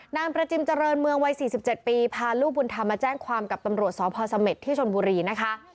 นางประจิมเจริญเมืองวัย๔๗ปีพาลูกบุญธรรมมาแจ้งความกับตำรวจสพเสม็ดที่ชนบุรีนะคะ